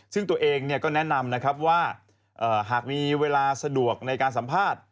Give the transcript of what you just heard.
ซึ่งตัวเองก็แนะนำนะครับว่าหากมีเวลาสะดวกในการสัมภาษณ์